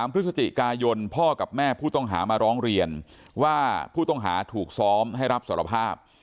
พฤศจิกายนพ่อกับแม่ผู้ต้องหามาร้องเรียนว่าผู้ต้องหาถูกซ้อมให้รับสารภาพ